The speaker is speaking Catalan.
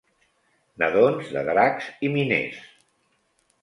Nadons de dracs i Miners.